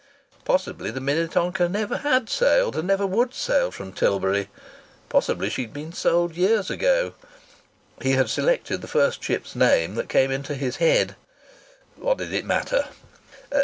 Possibly the Minnetonka never had sailed and never would sail from Tilbury. Possibly she had been sold years ago. He had selected the first ship's name that came into his head. What did it matter?